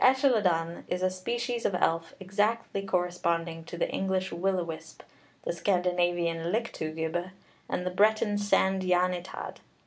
The Ellylldan is a species of elf exactly corresponding to the English Will o' wisp, the Scandinavian Lyktgubhe, and the Breton Sand Yan y Tad.